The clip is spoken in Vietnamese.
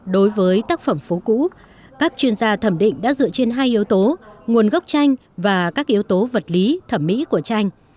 đối với tác phẩm phố cũ các chuyên gia thẩm định đã dựa trên hai yếu tố nguồn gốc tranh và các yếu tố vật lý thẩm mỹ của tranh